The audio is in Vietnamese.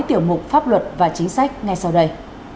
tiểu mục pháp luật và chính sách ngay sau đây